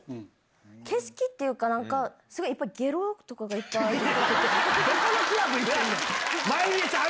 景色っていうか、なんか、すごいいっぱい、げろとかがいっぱいある。